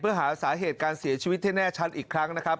เพื่อหาสาเหตุการเสียชีวิตที่แน่ชัดอีกครั้งนะครับ